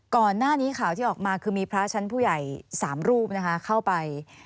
ก่อนหน้านี้ข่าวที่ออกมาคือมีพระชั้นผู้ใหญ่๓รูปนะคะเข้าไป